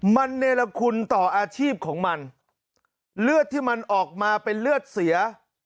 มันเนรคุณต่ออาชีพของมันเลือดที่มันออกมาเป็นเลือดเสีย